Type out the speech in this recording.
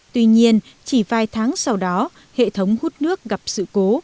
tuy nhiên chỉ vài tháng sau đó hệ thống hút nước gặp sự cố